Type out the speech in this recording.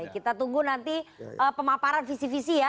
kita tunggu nanti pemaparan visi visi ya